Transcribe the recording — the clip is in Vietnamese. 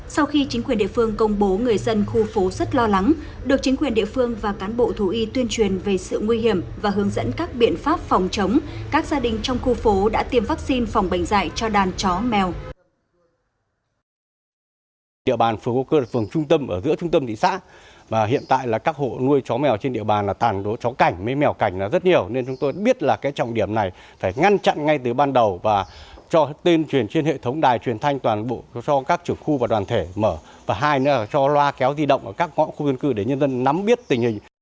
sau khi chính quyền địa phương công bố người dân khu phố rất lo lắng được chính quyền địa phương và cán bộ thú y tuyên truyền về sự nguy hiểm và hướng dẫn các biện pháp phòng chống các gia đình trong khu phố đã tiêm vaccine phòng bệnh dạy cho đàn chó mèo